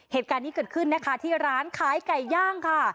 เหตุการณ์นี้เกิดขึ้นนะคะที่ร้านขายไก่ย่างค่ะ